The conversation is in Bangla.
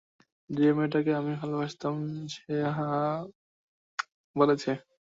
যে মেয়েটাকে আমি ভালোবাসতাম সে আমাকে হ্যাঁ বলেছে।